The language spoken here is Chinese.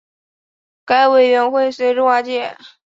该委员会随之瓦解。